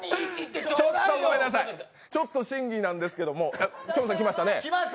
ちょっとごめんなさい審議なんですけどきょんさん、来ましたね。